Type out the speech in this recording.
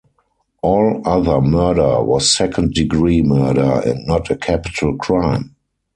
All other murder was second-degree murder, and not a capital crime.